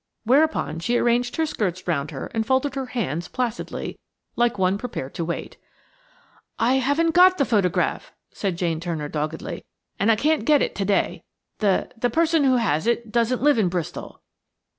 Whereupon she rearranged her skirts round her and folded her hands placidly, like one prepared to wait. "I haven't got the photograph," said Jane Turner, doggedly, "and I can't get it to day. The–the person who has it doesn't live in Bristol."